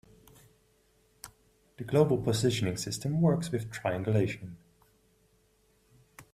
The global positioning system works with triangulation.